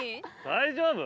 大丈夫？